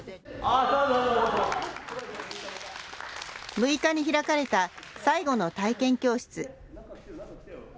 ６日に開かれた最後の体験教室。